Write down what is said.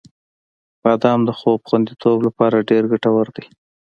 • بادام د خوب خوندیتوب لپاره ډېر ګټور دی.